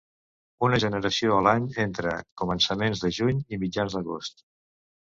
Una generació a l'any entre començaments de juny i mitjans d'agost.